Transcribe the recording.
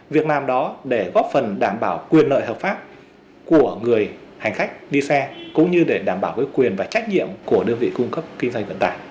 việc làm đó để góp phần đảm bảo quyền lợi hợp pháp của người hành khách đi xe cũng như để đảm bảo quyền và trách nhiệm của đơn vị cung cấp kinh doanh vận tải